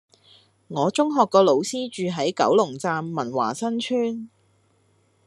我中學個老師住喺九龍站文華新村